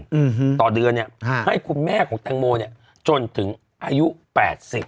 อืมต่อเดือนเนี้ยฮะให้คุณแม่ของแตงโมเนี้ยจนถึงอายุแปดสิบ